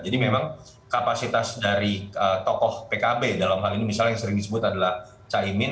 jadi memang kapasitas dari tokoh pkb dalam hal ini misalnya yang sering disebut adalah caimin